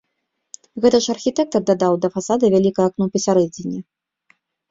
Гэты ж архітэктар дадаў да фасада вялікае акно пасярэдзіне.